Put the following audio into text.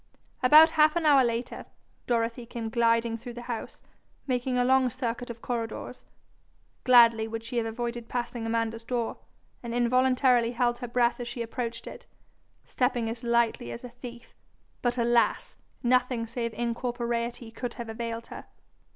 About half an hour after, Dorothy came gliding through the house, making a long circuit of corridors. Gladly would she have avoided passing Amanda's door, and involuntarily held her breath as she approached it, stepping as lightly as a thief. But alas! nothing save incorporeity could have availed her.